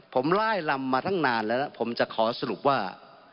ผมไล่ลำมาตั้งนานแล้วผมจะขอสรุปว่า